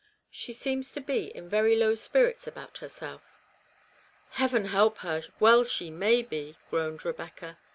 She seems to be in very low spirits about herself." " Heaven help her, well she may be," groaned Rebecca.